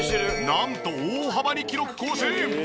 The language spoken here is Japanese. なんと大幅に記録更新。